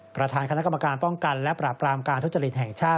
ประธานคณะกรรมการป้องกันและปราบรามการทุจริตแห่งชาติ